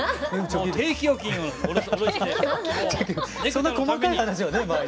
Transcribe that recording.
そんな細かい話はねまあ。